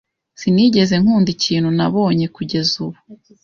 Sinigeze nkunda ikintu nabonye kugeza ubu.